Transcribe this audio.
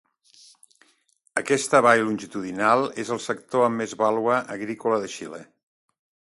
Aquesta vall longitudinal és el sector amb més vàlua agrícola de Xile.